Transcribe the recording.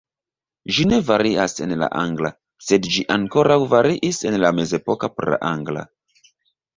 Ĝi ne varias en la angla, sed ĝi ankoraŭ variis en la mezepoka praangla.